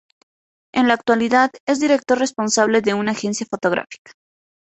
En la actualidad es director responsable de una agencia fotográfica.